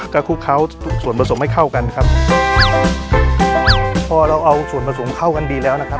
ก็คลุกเคล้าทุกส่วนผสมให้เข้ากันครับพอเราเอาส่วนผสมเข้ากันดีแล้วนะครับ